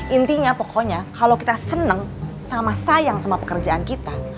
intinya pokoknya kalau kita seneng sama sayang sama pekerjaan kita